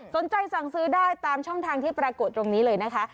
สนใจสั่งซื้อได้ตามช่องทางที่ปรากฏตรงนี้เลยนะคะ